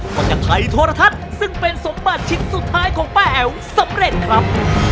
ก็จะถ่ายโทรทัศน์ซึ่งเป็นสมบัติชิ้นสุดท้ายของป้าแอ๋วสำเร็จครับ